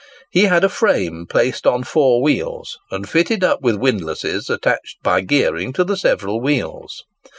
He had a frame placed on four wheels, and fitted up with windlasses attached by gearing to the several wheels.